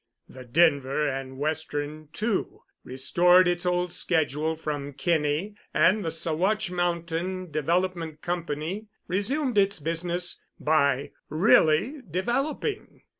The Denver and Western, too, restored its old schedule from Kinney, and the Saguache Mountain Development Company resumed its business by really developing.